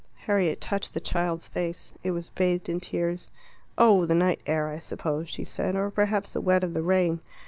Harriet touched the child's face. It was bathed in tears. "Oh, the night air, I suppose," she said, "or perhaps the wet of the rain."